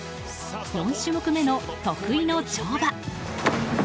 ４種目めの、得意の跳馬。